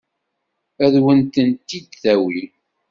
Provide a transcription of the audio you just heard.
Ad wen-tent-id-tawi?